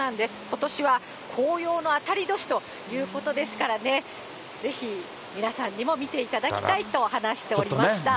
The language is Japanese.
ことしは紅葉の当たり年ということですからね、ぜひ、皆さんにも見ていただきたいと話しておりました。